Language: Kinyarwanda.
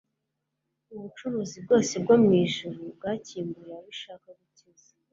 Ubucuruzi bwose bwo mu ijuru bwakinguriwe abo ishaka gukiza.